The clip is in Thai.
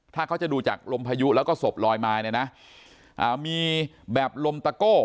ถ้าเขาจะดูจากลมพายุแล้วก็ศพลอยมาเนี่ยนะมีแบบลมตะโก้